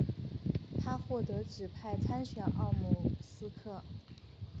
他获得指派参选奥姆斯克。